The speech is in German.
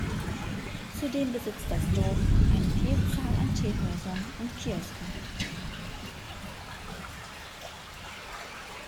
Zudem besitzt das Dorf eine Vielzahl an Teehäusern und Kioske.